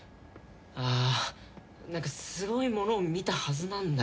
ああなんかすごいものを見たはずなんだよ。